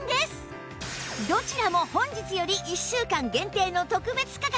どちらも本日より１週間限定の特別価格